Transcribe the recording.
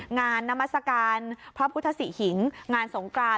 งานนามัสกรรพร้อมใครุตสิหิงงานสงการ